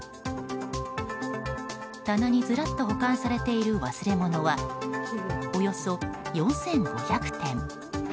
棚にずらっと保管されている忘れ物はおよそ４５００点。